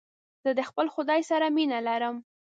زه د خپل خداى سره مينه لرم.